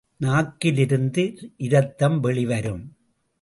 நாக்கிலிருந்து இரத்தம் வெளி வரும்.